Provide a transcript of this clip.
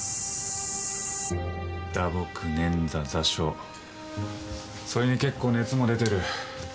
打撲捻挫挫傷それに結構熱も出てる。